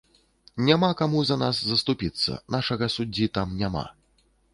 Няма каму за нас заступіцца, нашага суддзі там няма.